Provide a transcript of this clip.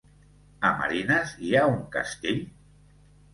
A Marines hi ha un castell?